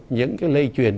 những cái lây truyền